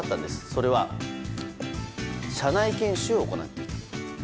それは、社内研修を行っていた。